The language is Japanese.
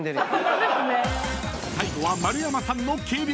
［最後は丸山さんの計量］